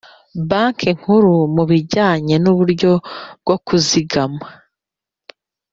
Banki Nkuru mu bijyanye n uburyo bwo kuzigama